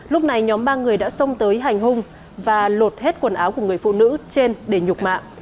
lúc này nhóm ba người đã xông tới hành hung và lột hết quần áo của người phụ nữ trên để nhục mạng